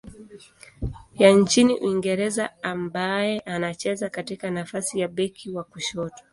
ya nchini Uingereza ambaye anacheza katika nafasi ya beki wa kushoto.